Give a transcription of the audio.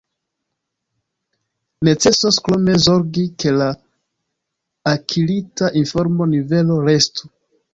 Necesos krome zorgi, ke la akirita informo-nivelo restu.